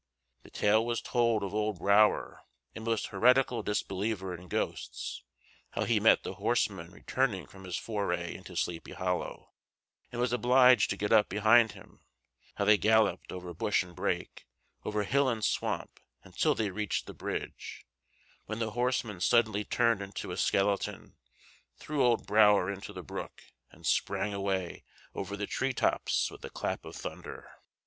The tale was told of old Brouwer, a most heretical disbeliever in ghosts, how he met the horseman returning from his foray into Sleepy Hollow, and was obliged to get up behind him; how they galloped over bush and brake, over hill and swamp, until they reached the bridge, when the horseman suddenly turned into a skeleton, threw old Brouwer into the brook, and sprang away over the tree tops with a clap of thunder.